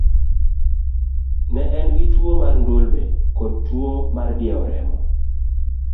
Ne en gi tuwo mar ndulme kod tuwo mar diewo remo.